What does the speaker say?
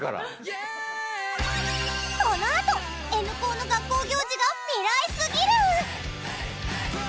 このあとＮ高の学校行事が未来すぎる！